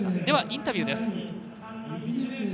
では、インタビューです。